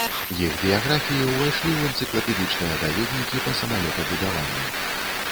Іх біяграфіі ўвайшлі ў энцыклапедычныя даведнікі па самалётабудаванню.